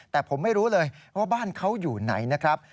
แต่ผมไม่รู้เลยว่าบ้านเขาอยู่ไหนนะครับ